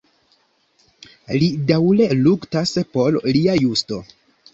Li daŭre luktas por lia justo.